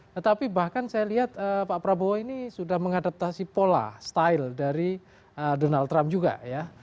tetapi bahkan saya lihat pak prabowo ini sudah mengadaptasi pola style dari donald trump juga ya